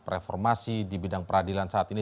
reformasi di bidang peradilan saat ini